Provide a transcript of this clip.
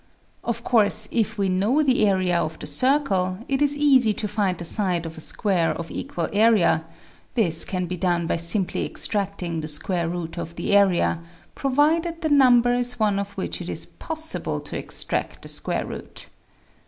Of course, if we know the area of the circle, it is easy to find the side of a square of equal area ; this can be done by simply extracting the square root of the area, pro SQUARING THE CIRCLE 13 vided the number is one of which it is possible to extract the square root.